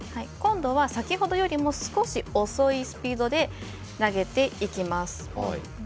今度は先ほどよりも少し遅いスピードで投げていきます。